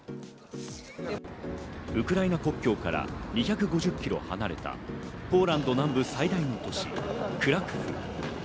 ウクライナ国境から２５０キロ離れたポーランド南部最大の都市クラクフ。